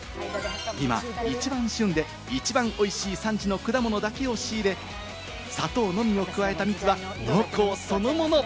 今一番旬で、一番おいしい産地の果物だけを仕入れ、砂糖のみを加えた蜜は濃厚そのもの！